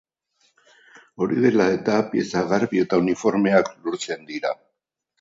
Hori dela eta, pieza garbi eta uniformeak lortzen dira.